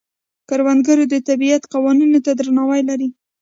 کروندګر د طبیعت قوانینو ته درناوی لري